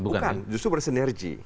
bukan justru bersinergi